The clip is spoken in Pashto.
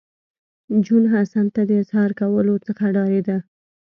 جون حسن ته د اظهار کولو څخه ډارېده